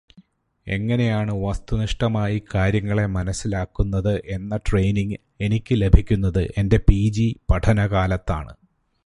എങ്ങനെയാണ് വസ്തുനിഷ്ഠമായി കാര്യങ്ങളെ മനസ്സിലാക്കുന്നത് എന്ന ട്രെയിനിങ്ങ് എനിക്ക് ലഭിക്കുന്നത് എന്റെ പിജി പഠനകാലത്താണ്.